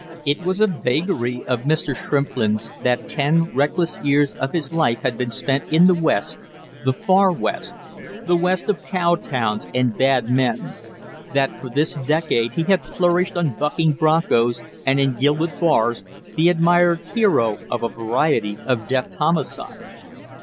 It was a vagary of Mr. Shrimplin's that ten reckless years of his life had been spent in the West, the far West, the West of cow towns and bad men; that for this decade he had flourished on bucking broncos and in gilded bars, the admired hero of a variety of deft homicides.